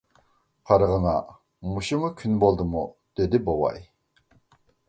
— قارىغىنا، مۇشۇمۇ كۈن بولدىمۇ؟ — دېدى بوۋاي.